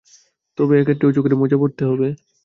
তবে এ ক্ষেত্রে অজু করে মোজা পরতে হবে।